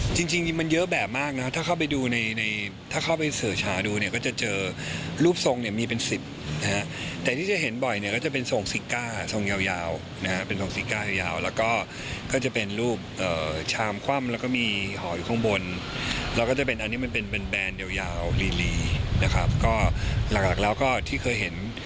จริงจริงมันเยอะแบบมากนะครับถ้าเข้าไปดูในในถ้าเข้าไปสื่อชาดูเนี่ยก็จะเจอรูปทรงเนี่ยมีเป็นสิบนะฮะแต่ที่จะเห็นบ่อยเนี่ยก็จะเป็นทรงซิก้าทรงยาวนะฮะเป็นทรงซิก้ายาวแล้วก็ก็จะเป็นรูปชามคว่ำแล้วก็มีหออยู่ข้างบนแล้วก็จะเป็นอันนี้มันเป็นเป็นแบรนด์ยาวลีนะครับก็หลักหลักแล้วก็ที่เคยเห็น